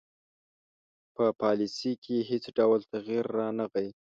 په پالیسي کې یې هیڅ ډول تغیر رانه غی.